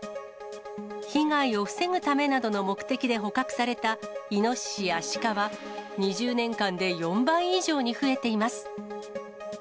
被害を防ぐためなどの目的で捕獲されたイノシシやシカは２０年間で４倍以上に増えています。